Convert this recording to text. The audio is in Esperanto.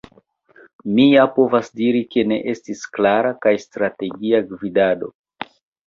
“Mi ja povas diri, ke ne estis klara kaj strategia gvidado.